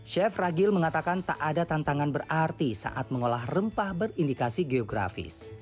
chef ragil mengatakan tak ada tantangan berarti saat mengolah rempah berindikasi geografis